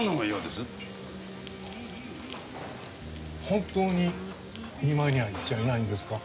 本当に見舞いには行っちゃいないんですか？